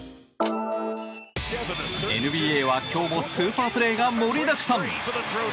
ＮＢＡは今日もスーパープレーが盛りだくさん。